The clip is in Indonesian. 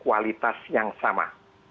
kualitas yang sama